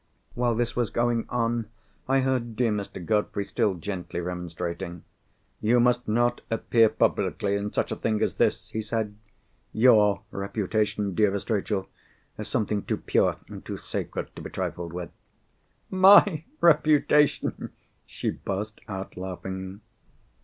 While this was going on, I heard dear Mr. Godfrey still gently remonstrating. "You must not appear publicly in such a thing as this," he said. "Your reputation, dearest Rachel, is something too pure and too sacred to be trifled with." "My reputation!" She burst out laughing.